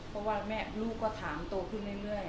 เพราะว่าลูกก็ถามโตขึ้นเรื่อย